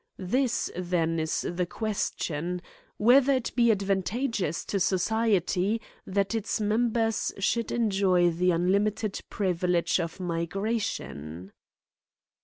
This then is the question : whether it be advantageous to so ciety that its members should enjoy the unUmited privilege of migration